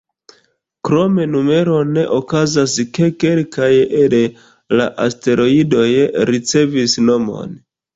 Krom numeron, okazas, ke kelkaj el la asteroidoj ricevis nomon.